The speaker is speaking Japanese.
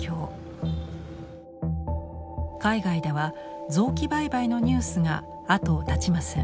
海外では臓器売買のニュースが後を絶ちません。